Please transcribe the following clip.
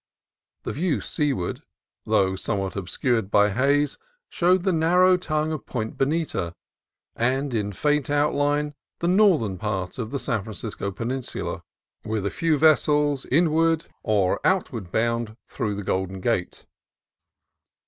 The view seaward, though somewhat obscured by haze, showed the narrow tongue of Point Bonita, and in faint outline the northern part of the San Francisco peninsula, with a few vessels inward or 2«8 CALIFORNIA COAST TRAILS outward bound through the Golden Gate.